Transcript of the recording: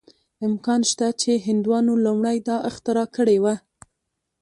امکان شته چې هندوانو لومړی دا اختراع کړې وه.